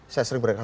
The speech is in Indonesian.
saya sering berkata